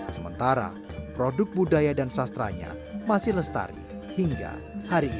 sementara produk budaya dan sastranya masih lestari hingga hari ini